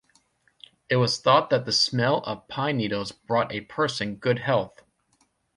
It was thought that the smell of pine needles brought a person good health.